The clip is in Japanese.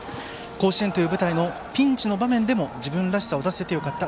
甲子園という舞台のピンチの場面でも自分らしさを出せてよかった。